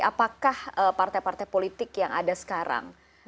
apakah partai partai politik yang ada sekarang